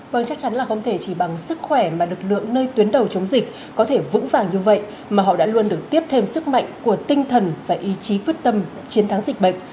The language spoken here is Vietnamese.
vâng chắc chắn là không thể chỉ bằng sức khỏe mà lực lượng nơi tuyến đầu chống dịch có thể vững vàng như vậy mà họ đã luôn được tiếp thêm sức mạnh của tinh thần và ý chí quyết tâm chiến thắng dịch bệnh